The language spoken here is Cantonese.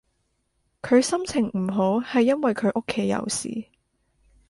佢心情唔好係因為佢屋企有事